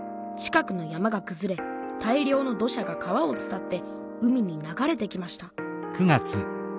近くの山がくずれ大量の土砂が川を伝って海に流れてきました。